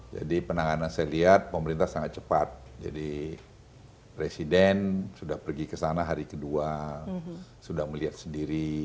jadi penanganan saya lihat pemerintah sangat cepat jadi presiden sudah pergi ke sana hari kedua sudah melihat sendiri